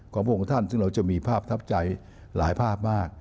พระองค์ท่านซึ่งเราจะมีภาพทับใจหลายภาพมาก